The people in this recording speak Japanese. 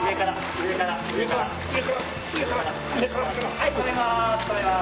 はい止めます。